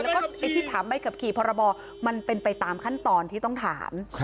แล้วก็ไอ้ที่ถามใบขับขี่พรบมันเป็นไปตามขั้นตอนที่ต้องถาม